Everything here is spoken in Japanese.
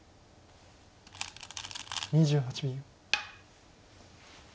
２８秒。